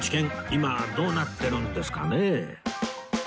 今はどうなってるんですかね？